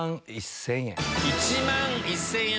１万１０００円。